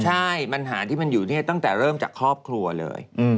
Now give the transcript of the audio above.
ใช่ปัญหาที่มันอยู่เนี่ยตั้งแต่เริ่มจากครอบครัวเลย